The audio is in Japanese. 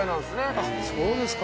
あっそうですか。